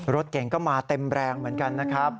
รถเก่งก็มาเต็มแรงเหมือนกันนะครับ